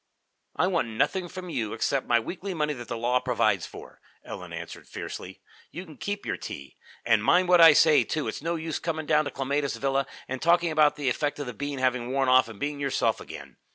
"I want nothing from you except my weekly money that the law provides for," Ellen answered fiercely. "You can keep your tea. And mind what I say, too. It's no use coming down to Clematis Villa and talking about the effect of the bean having worn off and being yourself again.